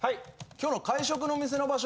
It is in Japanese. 今日の会食の店の場所